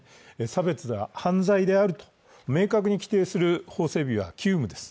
差別は犯罪であると明確に制定する法整備は急務です。